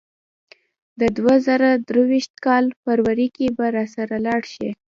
د دوه زره درویشت کال فبرورۍ کې به راسره لاړ شې.